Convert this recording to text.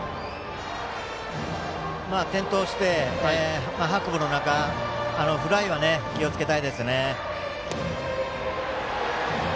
点灯して薄暮の中フライは気をつけたいですね。